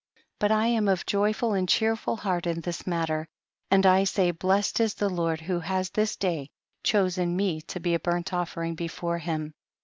56. But I am of joyful and cheer ful heart in this matter, and I say, blessed is the Lord who has this day chosen me to be a burnt offering before him.